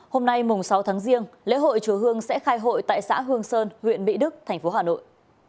hôm nay sáu tháng giêng lễ hội chúa hương sẽ khai hội tại xã hương sơn huyện mỹ đức tp hà nội